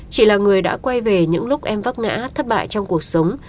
chị là người đã quay về những lúc em vấp ngã thất bại trong cuộc sống